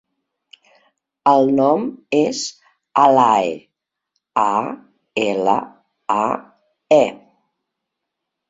El nom és Alae: a, ela, a, e.